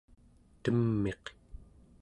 tem'iq